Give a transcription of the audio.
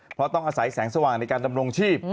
เพราะต้องอาศัยแสงสว่างในการดำรงชีพ